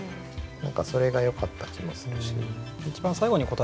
何かそれがよかった気もするし。